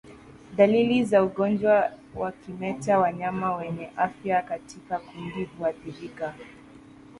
Dalili za ugonjwa wa kimeta wanyama wenye afya katika kundi huathirika